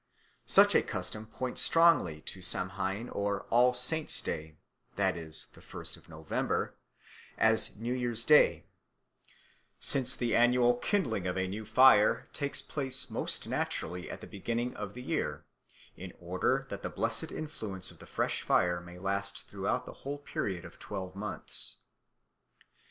Such a custom points strongly to Samhain or All Saints' Day (the first of November) as New Year's Day; since the annual kindling of a new fire takes place most naturally at the beginning of the year, in order that the blessed influence of the fresh fire may last throughout the whole period of twelve months.